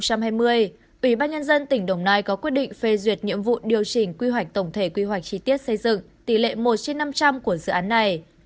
ủy ban nhân dân tỉnh đồng nai có quyết định phê duyệt nhiệm vụ điều chỉnh quy hoạch tổng thể quy hoạch chi tiết xây dựng tỷ lệ một trên năm trăm linh của dự án này